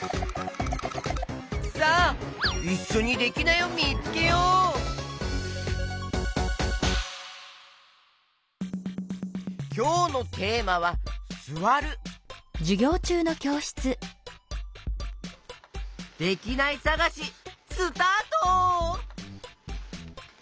さあいっしょにきょうのテーマは「すわる」できないさがしスタート！